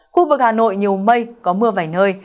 khu vực hà nội nhiều mây có mưa vài nơi